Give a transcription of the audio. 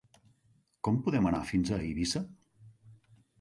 Com podem anar fins a Eivissa?